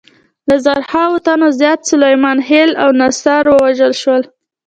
له زرهاوو تنو زیات سلیمان خېل او ناصر ووژل شول.